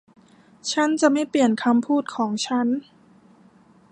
ฉันจะไม่เปลี่ยนคำพูดของฉัน